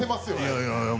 いやいやいや